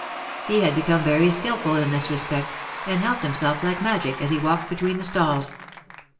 He had become very skilful in this respect, and helped himself like magic, as he walked between the stalls.